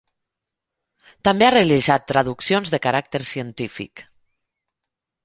També ha realitzat traduccions de caràcter científic.